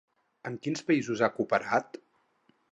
Amb quins països ha cooperat?